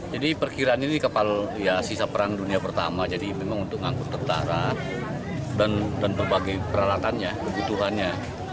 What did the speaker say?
jadi perkiraan ini kepal ya sisa perang dunia pertama jadi memang untuk ngangkut tentara dan berbagai peralatannya kebutuhannya